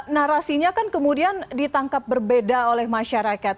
narasinya kan kemudian ditangkap berbeda oleh masyarakat